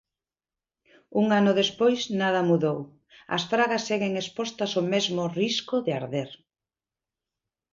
Un ano despois, nada mudou: as fragas seguen expostas ao mesmo risco de arder.